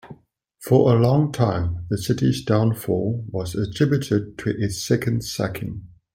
For a long time, the city's downfall was attributed to its second sacking.